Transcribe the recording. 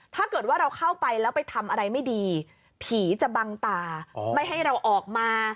ถ้าเกิดว่าเราเข้าไปแล้วไปทำอะไรไม่ดีผีจะบังตาไม่ให้เราออกมา